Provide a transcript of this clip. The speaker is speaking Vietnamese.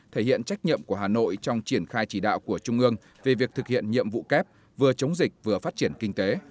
thể hiện trách nhiệm của hà nội trong triển khai chỉ đạo của trung ương về việc thực hiện nhiệm vụ kép vừa chống dịch vừa phát triển kinh tế